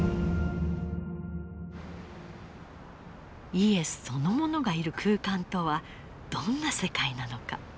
イエスそのものがいる空間とはどんな世界なのか。